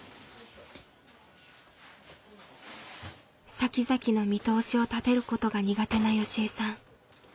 さきざきの見通しを立てることが苦手なよしえさん。